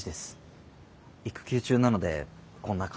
育休中なのでこんな感じですけど。